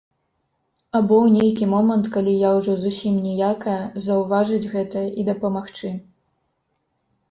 Або ў нейкі момант, калі я ўжо зусім ніякая, заўважыць гэта і дапамагчы.